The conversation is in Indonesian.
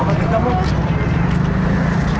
ibu mas ini mam data segar